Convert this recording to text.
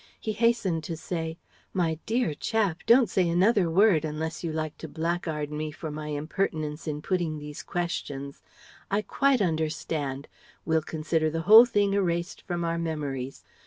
He hastened to say: "My dear chap! Don't say another word, unless you like to blackguard me for my impertinence in putting these questions. I quite understand. We'll consider the whole thing erased from our memories.